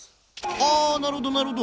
あなるほどなるほど。